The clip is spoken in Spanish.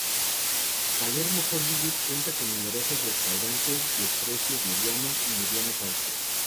Palermo Hollywood cuenta con numerosos restaurantes de precios medianos y medianos-altos.